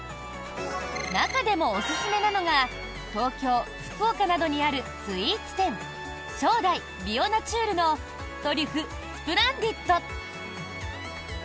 中でもおすすめなのが東京、福岡などにあるスイーツ店ｓｈｏｄａｉｂｉｏｎａｔｕｒｅのトリュフスプランディッド。